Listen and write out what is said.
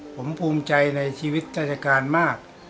ผมภูมิใจในชีวิตราชการมาก